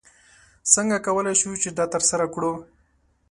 څنګه کولی شو چې دا ترسره کړو؟